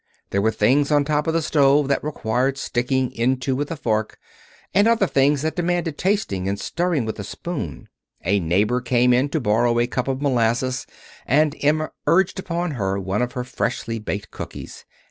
There were things on top of the stove that required sticking into with a fork, and other things that demanded tasting and stirring with a spoon. A neighbor came in to borrow a cup of molasses, and Emma urged upon her one of her freshly baked cookies.